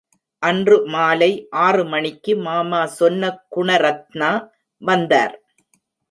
அன்று மாலை ஆறு மணிக்கு மாமா சொன்ன குணரத்னா வந்தார்.